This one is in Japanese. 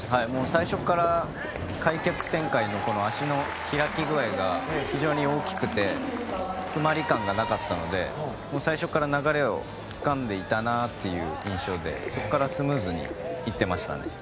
最初から開脚旋回のこの足の開き具合が非常に大きくて詰まり感がなかったので最初から流れをつかんでいたなという印象でそこからスムーズにいってましたね。